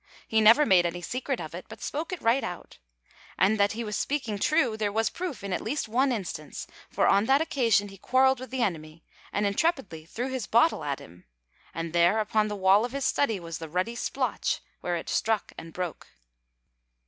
He never made any secret of it, but spoke it right out. And that he was speaking true there was proof in at least one instance, for on that occasion he quarreled with the enemy, and intrepidly threw his bottle at him; and there, upon the wall of his study, was the ruddy splotch where it struck and broke.